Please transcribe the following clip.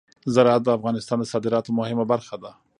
زراعت د افغانستان د صادراتو مهمه برخه ده.